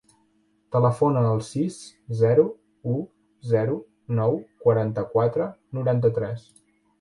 Telefona al sis, zero, u, zero, nou, quaranta-quatre, noranta-tres.